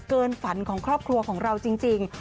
เอาไว้บอกว่าเกินฝันของครอบครัวของเราจริง